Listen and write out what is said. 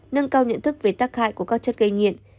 nâng cao nhận thức về tác hại của các chất gây nghiện